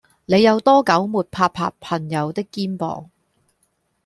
你有多久沒拍拍朋友的肩膀